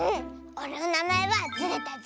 おれのなまえはズルタズルオ。